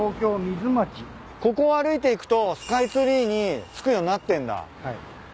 ここを歩いていくとスカイツリーに着くようになってんだ。